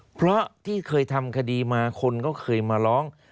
เพราะที่เคยทำคดีมาคนก็เคยมาร้อง